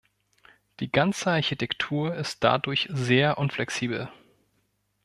Die ganze Architektur ist dadurch sehr unflexibel.